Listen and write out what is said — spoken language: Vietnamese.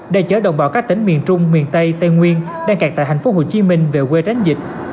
để chở đồng bào các tỉnh miền trung miền tây tây nguyên đang cạt tại thành phố hồ chí minh về quê tránh dịch